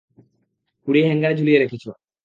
পুড়িয়ে হ্যাঙ্গারে ঝুলিয়ে রেখেছো।